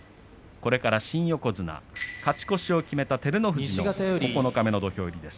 これから新横綱勝ち越しを決めた照ノ富士の九日目の土俵入りです。